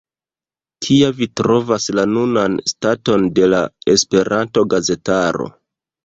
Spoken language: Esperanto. Kia vi trovas la nunan staton de la Esperanto-gazetaro?